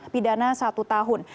pidana satu tahun